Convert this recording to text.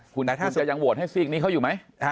คุณจะยังโหวตให้ฟีกนี้เขาอยู่ไหม